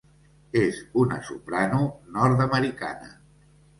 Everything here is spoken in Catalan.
És una soprano nord-americana.